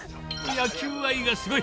野球愛がすごい。